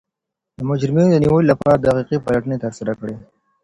د مجرمینو د نیولو لپاره دقیقې پلټني ترسره کړئ.